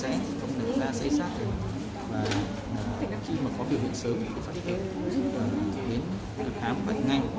và khi mà có biểu hiện sớm thì phải đi đến thực hám hoặc ngay